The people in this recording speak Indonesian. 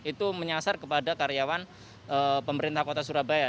itu menyasar kepada karyawan pemerintah kota surabaya